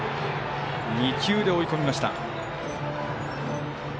２球で追い込みました。